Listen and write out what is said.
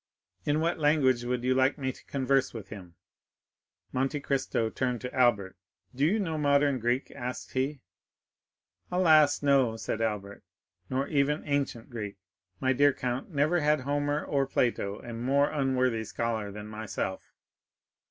"In what language would you like me to converse with him?" Monte Cristo turned to Albert. "Do you know modern Greek," asked he. "Alas! no," said Albert; "nor even ancient Greek, my dear count; never had Homer or Plato a more unworthy scholar than myself."